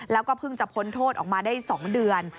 แล้วก็เพิ่งจะพ้นโทษออกมาได้๒เดือน